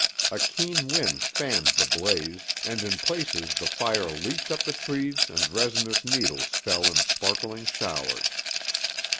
A keen wind fanned the blaze and in places the fire leaped up the trees and resinous needles fell in sparkling showers.